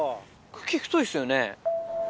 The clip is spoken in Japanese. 茎太いですよね。